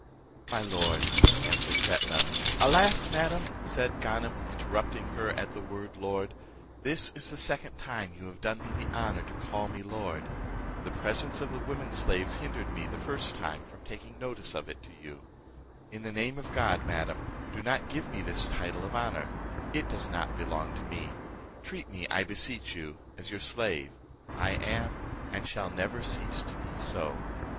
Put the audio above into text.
"My lord," answered Fetnah "Alas! madam," said Ganem, interrupting her at the word lord, "this is the second time you have done me the honour to call me lord; the presence of the women slaves hindered me the first time from taking notice of it to you: in the name of God, madam, do not give me this title of honour; it does not belong to me; treat me, I beseech you, as your slave: I am, and shall never cease to be so."